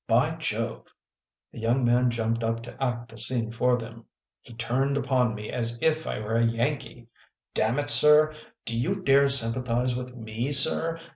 By Jove," the young man jumped up to act the scene for them " he turned upon me as if I were a Yankee. Damn it, Sir ! Do you dare sympathize with me, Sir?